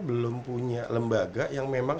belum punya lembaga yang memang